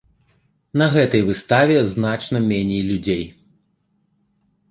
На гэтай выставе значна меней людзей.